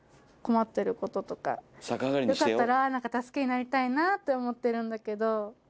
よかったら何か助けになりたいなって思ってるんだけど。